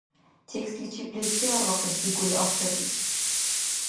Текстличибли се аргъахъес дигули авторлис?